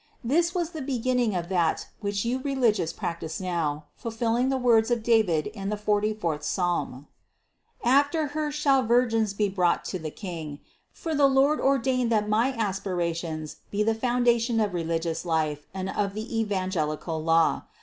This was the beginning of that which you religious practice now, fulfilling the words of David in the forty fourth psalm: "After Her shall vir gins be brought to the King;" for the Lord ordained that my aspirations be the foundation of religious life and of the evangelical law.